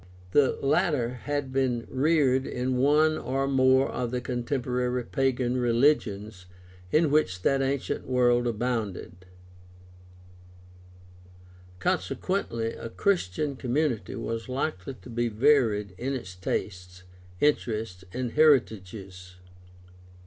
The latter had been reared in one or more of the contemporary pagan religions in which that ancient world abounded; conse THE STUDY OF EARLY CHRISTIANITY 281 quently a Christian community was likely to be varied in its tastes, interests, and heritages.